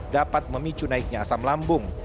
dapat memicu naiknya asam lambung